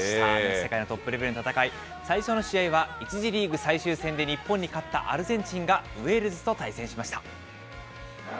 世界のトップレベルの戦い、最初の試合は１次リーグ最終戦で日本に勝ったアルゼンチンがウェールズと対戦しました。